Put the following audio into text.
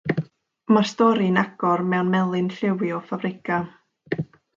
Mae'r stori'n agor mewn melin lliwio ffabrigau.